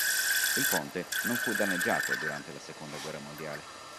Il ponte non fu danneggiato durante la seconda guerra mondiale.